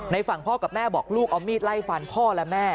ฝั่งพ่อกับแม่บอกลูกเอามีดไล่ฟันพ่อและแม่